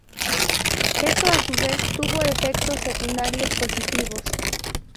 Esto, a su vez, tuvo efectos secundarios positivos.